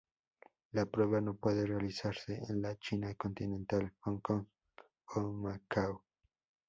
La prueba no puede realizarse en la China continental, Hong Kong o Macao.